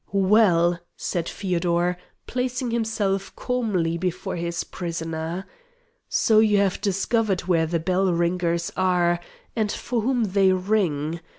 "Well," said Feodor, placing himself calmly before his prisoner, "so you have discovered where the bell ringers are, and for whom they ring!